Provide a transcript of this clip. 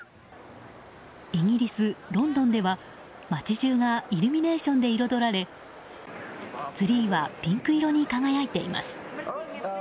イギリス・ロンドンでは街中がイルミネーションで彩られツリーはピンク色に輝いています。